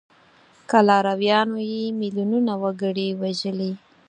که لارویانو یې میلیونونه وګړي وژلي.